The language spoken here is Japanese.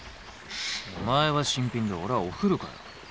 お前は新品で俺はお古かよ。